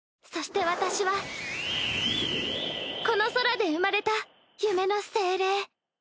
そして私はこの空で生まれた夢の精霊。